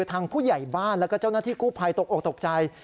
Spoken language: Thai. ทางผู้ใหญ่บ้านแล้วก็เจ้าหน้าที่กู้ภัยตกออกตกใจ